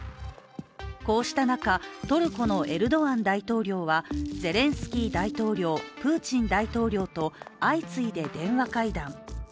こうした中、トルコのエルドアン大統領はゼレンスキー大統領、プーチン大統領と相次いで電話会談。